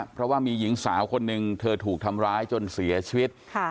เพราะว่ามีหญิงสาวคนหนึ่งเธอถูกทำร้ายจนเสียชีวิต